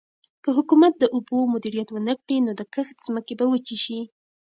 که حکومت د اوبو مدیریت ونکړي نو د کښت ځمکې به وچې شي.